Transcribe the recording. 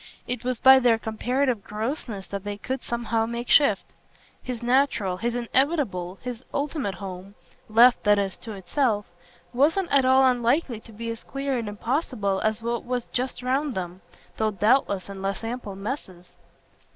It was by their comparative grossness that they could somehow make shift. His natural, his inevitable, his ultimate home left, that is, to itself wasn't at all unlikely to be as queer and impossible as what was just round them, though doubtless in less ample masses.